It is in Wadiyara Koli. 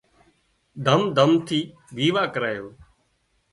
ڌام ڌُوم ٿِي ويواه ڪريو